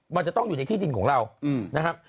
มันจะต้องอยู่ในที่ดินของเรานะครับ